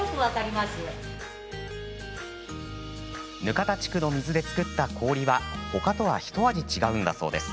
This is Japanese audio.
額田地区の水で作った氷はほかとはひと味違うんだそうです。